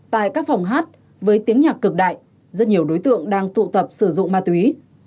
tại các phòng hát với tiếng nhạc cực đại rất nhiều đối tượng đang tụ tập sử dụng ma túy